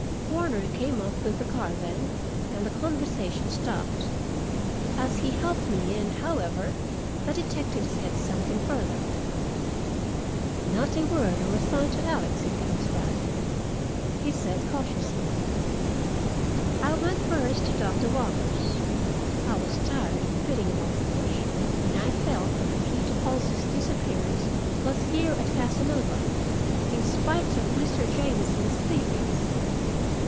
Warner came up with the car then, and the conversation stopped. As he helped me in, however, the detective said something further. "Not a word or sign to Alex, if he comes back," he said cautiously. I went first to Doctor Walker's. I was tired of beating about the bush, and I felt that the key to Halsey's disappearance was here at Casanova, in spite of Mr. Jamieson's theories.